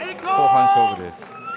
後半勝負です。